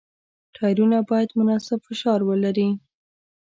ټایرونه باید مناسب فشار ولري.